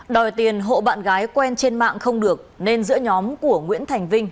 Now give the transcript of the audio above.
đòi tiền hộ bạn gái quen trên mạng không được nên giữa nhóm của nguyễn thành vinh